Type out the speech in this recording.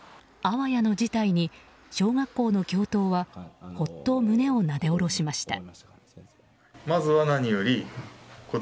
あわやの事態に小学校の教頭はほっと胸をなで下ろしました。